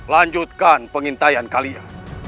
lanjutkan pengintaian kalian